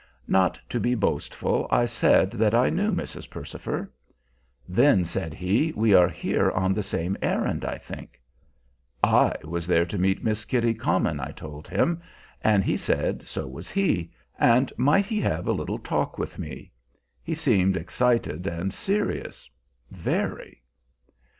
Not to be boastful, I said that I knew Mrs. Percifer. "Then," said he, "we are here on the same errand, I think." I was there to meet Miss Kitty Comyn, I told him, and he said so was he, and might he have a little talk with me? He seemed excited and serious, very.